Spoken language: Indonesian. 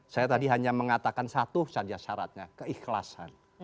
saya tadi hanya mengatakan satu saja syaratnya keikhlasan